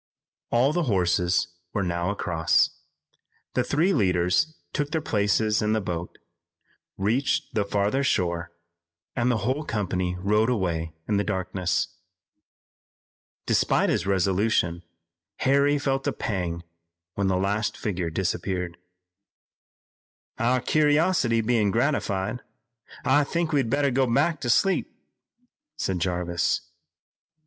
All the horses were now across. The three leaders took their places in the boat, reached the farther shore and the whole company rode away in the darkness. Despite his resolution Harry felt a pang when the last figure disappeared. "Our curiosity bein' gratified, I think we'd better go back to sleep," said Jarvis.